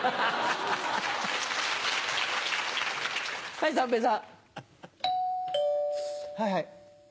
はいはい。